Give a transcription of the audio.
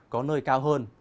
có nơi cao hơn